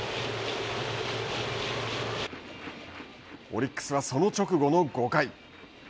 オリックスは、その直後の５回。